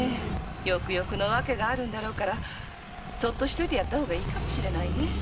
よくよくの訳があるんだろうからそっとしておいてやった方がいいかもしれないね。